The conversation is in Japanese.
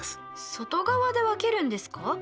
外側で分けるんですか？